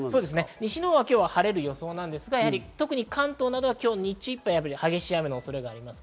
西のほうは晴れる予想ですが関東などは、今日日中いっぱい激しい雨の恐れがあります。